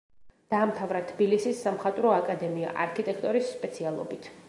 დაამთავრა თბილისის სამხატვრო აკადემია არქიტექტორის სპეციალობით.